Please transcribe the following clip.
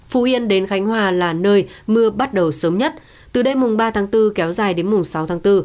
phú yên đến khánh hòa là nơi mưa bắt đầu sớm nhất từ đêm mùng ba tháng bốn kéo dài đến mùng sáu tháng bốn